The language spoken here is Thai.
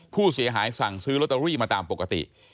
ผู้เสียหายสั่งซื้อลอตเตอรี่มาตามปกติ